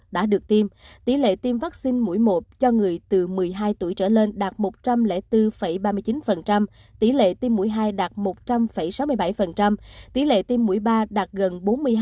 đã được tiêm tỷ lệ tiêm vaccine mũi một cho người từ một mươi hai tuổi trở lên đạt một trăm linh bốn ba mươi chín tỷ lệ tiêm mũi hai đạt một trăm linh sáu mươi bảy tỷ lệ tiêm mũi ba đạt gần bốn mươi hai